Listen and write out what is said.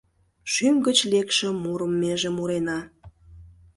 Шӱм гыч лекше мурым меже мурена.